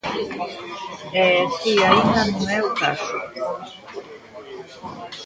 E ese aínda non é o caso.